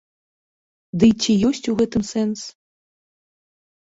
Дый ці ёсць у гэтым сэнс?